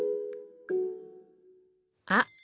あっ！